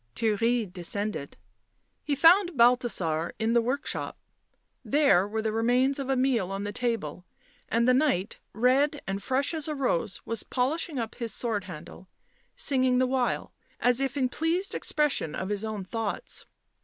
... Theirry descended. He found Balthasar in the work shop ; there were the remains of a meal on the table, and the Knight, red and fresh as a rose, was polishing up his sw T ord handle, singing the while, as if in pleased expression of his own thoughts.